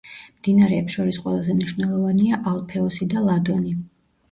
მდინარეებს შორის ყველაზე მნიშვნელოვანია ალფეოსი და ლადონი.